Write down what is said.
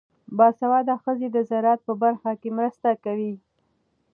باسواده ښځې د زراعت په برخه کې مرسته کوي.